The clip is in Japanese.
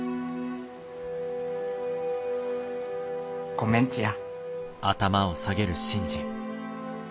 ごめんちや。